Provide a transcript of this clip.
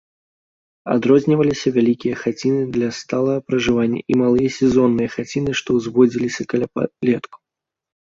Адрозніваліся вялікія хаціны для сталага пражывання і малыя сезонныя хаціны, што ўзводзіліся каля палеткаў.